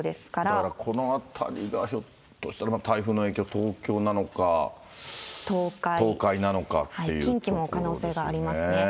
だからこのあたりがひょっとしたら、台風の影響、東海。近畿も可能性がありますね。